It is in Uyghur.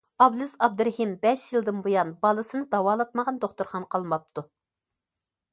ئابلىز ئابدۇرېھىم بەش يىلدىن بۇيان بالىسىنى داۋالاتمىغان دوختۇرخانا قالماپتۇ.